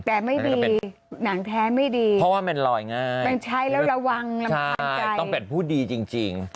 แต่ไม่ดีหนังแท้ไม่ดีเพราะว่ามันลอยง่ายมันใช้แล้วระวังรำคาญใจต้องเป็นผู้ดีจริง